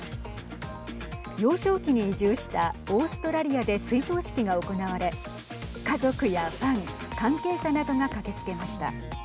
幼少期に移住したオーストラリアで追悼式が行われ家族やファン関係者などが駆けつけました。